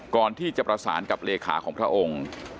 ก่อนที่จะประสานกับเลขาของพระองค์